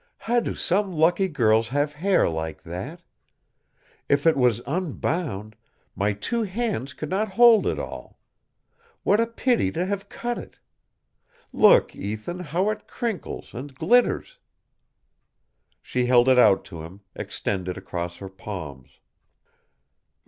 How do some lucky girls have hair like that? If it was unbound, my two hands could not hold it all. What a pity to have cut it! Look, Ethan, how it crinkles and glitters." She held it out to him, extended across her palms.